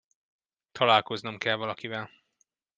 Találkoznom kell valakivel.